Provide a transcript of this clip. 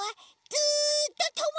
ずっとも！